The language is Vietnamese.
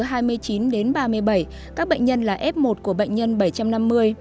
các bệnh nhân là f một của bệnh nhân bảy trăm năm mươi